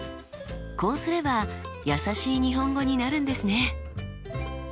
こうすればやさしい日本語になるんですね。